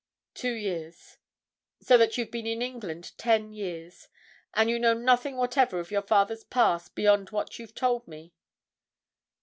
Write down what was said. "Two years." "So that you've been in England ten years. And you know nothing whatever of your father's past beyond what you've told me?"